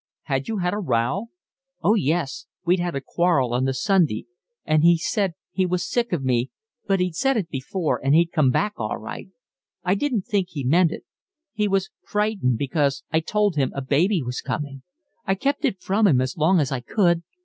Had you had a row?" "Oh, yes, we'd had a quarrel on the Sunday, and he said he was sick of me, but he'd said it before, and he'd come back all right. I didn't think he meant it. He was frightened, because I told him a baby was coming. I kept it from him as long as I could.